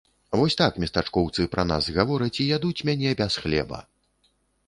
Вось так местачкоўцы пра нас гавораць і ядуць мяне без хлеба.